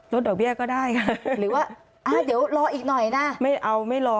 รดดอกเบี้ยก็ได้ค่ะ